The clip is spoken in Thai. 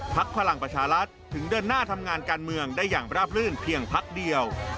พลังประชารัฐถึงเดินหน้าทำงานการเมืองได้อย่างราบลื่นเพียงพักเดียว